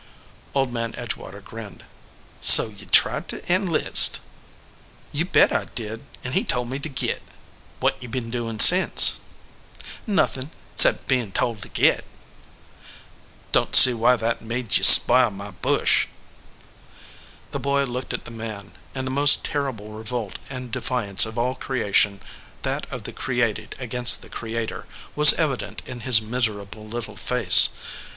Old Man Edgewater grinned. "So ye tried to enlist." "You bet I did, and he told me to git." "What ye been doing since ?" "Nothin , cept bein told to git." "Don t see why that made ye sp ile my bush." The boy looked at the man, and the most terrible revolt and defiance of all creation, that of the created against the Creator, was evident in his mis erable little face.